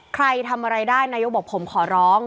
ใครทำอะไรได้นายกบอกผมขอร้อง